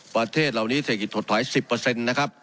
ประเทศเหล่านี้เศรษฐกิจถดถอย๑๐นะครับ